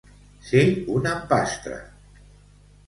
Ser un empastre.